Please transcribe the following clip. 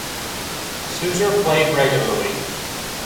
Suter played regularly.